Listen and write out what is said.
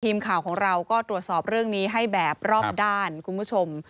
ทีมข่าวของเราก็ตรวจสอบเรื่องนี้ให้แบบรอบด้านคุณผู้ชม